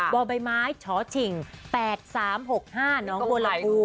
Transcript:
บ่อใบไม้ชฉิง๘๓๖๕น้องโบราภู